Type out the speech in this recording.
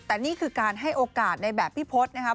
แต่นี่คือการให้โอกาสในแบบพี่พศนะครับ